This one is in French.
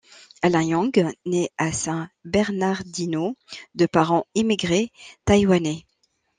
Alan Yang naît à San Bernardino de parents immigrés taïwanais.